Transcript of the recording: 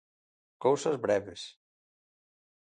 Cousas breves.